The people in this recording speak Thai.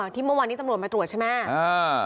ที่เมื่อวานนี้ตำรวจมาตรวจใช่ไหม